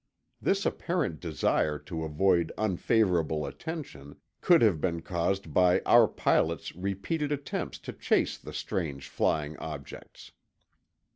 This apparent desire to avoid unfavorable attention could have been caused by our pilots' repeated attempts to chase the strange flying objects.